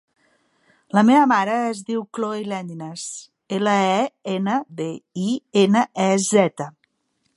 La meva mare es diu Khloe Lendinez: ela, e, ena, de, i, ena, e, zeta.